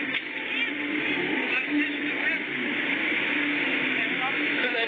แล้วท้ายที่สุดก็ชักเกรงหมดสติอยู่